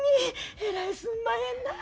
えらいすんまへんなあ。